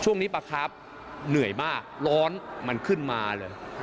ปลาครับเหนื่อยมากร้อนมันขึ้นมาเลย